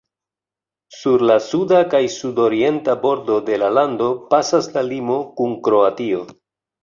Sur la suda kaj sudorienta bordo de la lando pasas la limo kun Kroatio.